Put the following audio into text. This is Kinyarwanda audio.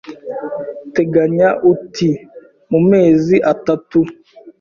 Teganya uti mu mezi atatu